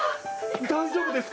大丈夫です。